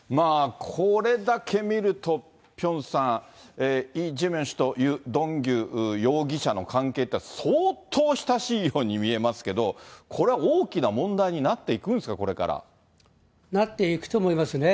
これだけ見ると、ピョンさん、イ・ジェミョン氏とユ・ドンギュ容疑者の関係って、相当親しいように見えますけれども、これは大きな問題になっていくんですか、なっていくと思いますね。